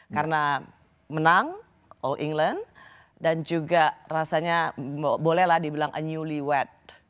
karena menang all england dan juga rasanya bolehlah dibilang a newlywed